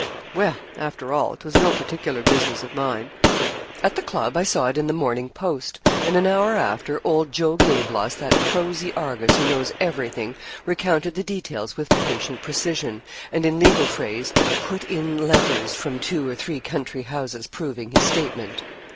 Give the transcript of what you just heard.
Well! after all, 'twas no particular business of mine. At the club, I saw it in the 'Morning Post;' and an hour after, old Joe Gabloss, that prosy Argus who knows everything, recounted the details with patient precision, and in legal phrase, 'put in' letters from two or three country houses proving his statement.